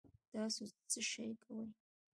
تاسو څه شئ کوی